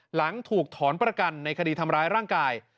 หลังถูกถอนประกันในคดีทำร้ายร่างกาย